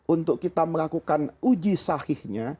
untuk kita melakukan uji sahihnya